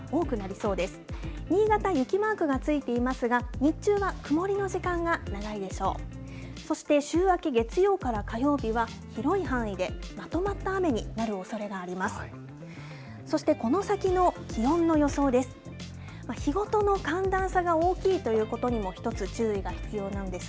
そして週明け月曜から火曜日は、広い範囲でまとまった雨になるおそれがあります。